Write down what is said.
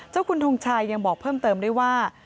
คุณทงชัยยังบอกเพิ่มเติมด้วยว่า